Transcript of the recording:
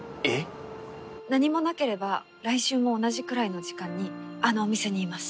何もなければ来週も同じくらいの時間にあのお店にいます。